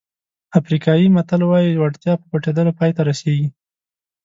افریقایي متل وایي وړتیا په پټېدلو پای ته رسېږي.